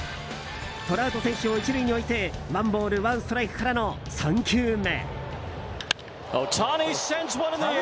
トラウト選手を１塁に置いてワンボールワンストライクからの３球目。